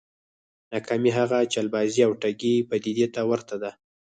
ناکامي هغې چلبازې او ټګې پديدې ته ورته ده.